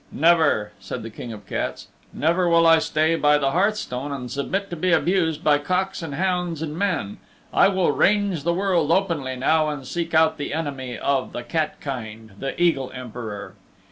"Never," said the King of the Cats. "Never will I stay by the hearthstone and submit to be abused by cocks and hounds and men. I will range the world openly now and seek out the enemy of the Cat Kind, the Eagle Emperor."